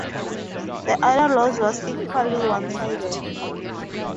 The other loss was equally one-sided.